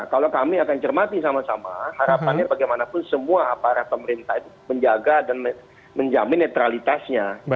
kalau kami akan cermati sama sama harapannya bagaimanapun semua aparat pemerintah itu menjaga dan menjamin netralitasnya